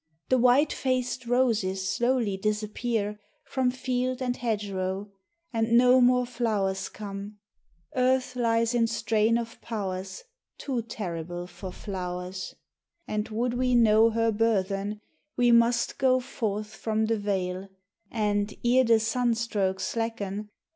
The white faced roses slowly disappear From field and hedgerow, and no more flowers come : Earth lies in strain of powers Too terrible for flowers : And would we know Her burthen we must go Forth from the vale, and, ere the sunstrokes slacken.